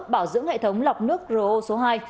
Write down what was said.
bảo dưỡng hệ thống lọc nước ro số hai